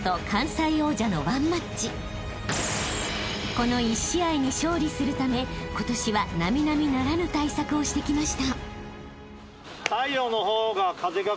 ［この１試合に勝利するため今年は並々ならぬ対策をしてきました］